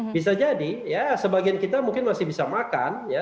bisa jadi ya sebagian kita mungkin masih bisa makan ya